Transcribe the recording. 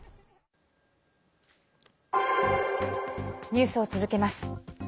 ニュースを続けます。